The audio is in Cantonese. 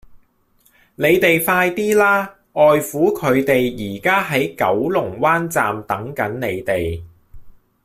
你哋快啲啦!外父佢哋而家喺九龍灣站等緊你哋